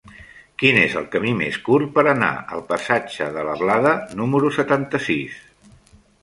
Quin és el camí més curt per anar al passatge de la Blada número setanta-sis?